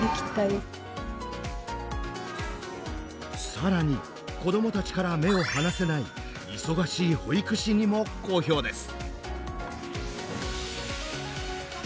更に子どもたちから目を離せない忙しい保育士にも好評です。